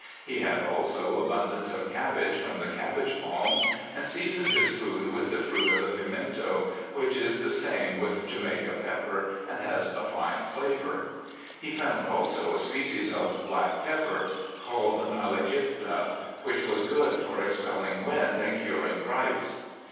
He had also abundance of cabbage from the cabbage palms, and seasoned his food with the fruit of the pimento, which is the same with Jamaica pepper, and has a fine flavour. He found also a species of black pepper called tnalageta, which was good for expelling wind and curing gripes.